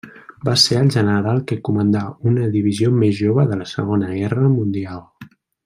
Va ser el general que comandà una divisió més jove de la Segona Guerra Mundial.